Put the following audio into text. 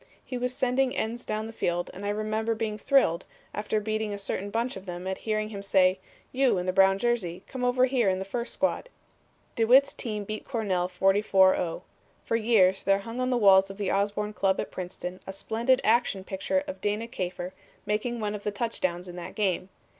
He was sending ends down the field and I remember being thrilled, after beating a certain bunch of them, at hearing him say: 'You in the brown jersey, come over here in the first squad.' "DeWitt's team beat Cornell 44 0. For years there hung on the walls of the Osborn Club at Princeton a splendid action picture of Dana Kafer making one of the touchdowns in that game.